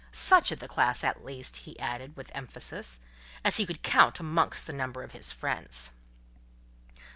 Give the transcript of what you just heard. "Such of the class, at least," he added, with emphasis, "as he could count amongst the number of his friends."